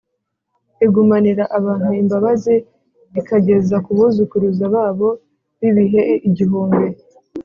igumanira abantu imbabazi, ikageza ku buzukuruza babo b’ibihe igihumbi,